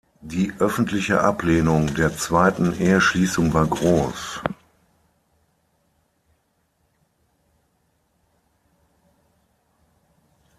Die öffentliche Ablehnung der zweiten Eheschließung war groß.